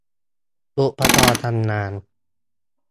อุปกรณ์ทำงาน